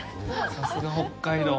さすが北海道。